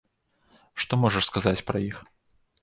Што можаш сказаць пра іх?